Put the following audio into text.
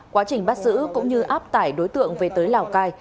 quá trình bắt giữ cũng như áp tải đối tượng về tới lào cai